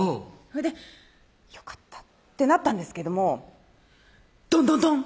それでよかったってなったんですけどもドンドンドン！